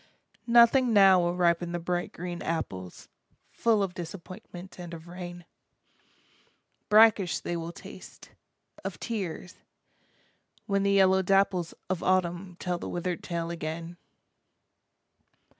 Nothing now will ripen the bright green apples, Full of disappointment and of rain, Brackish they will taste, of tears, when the yellow dapples Of Autumn tell the withered tale again.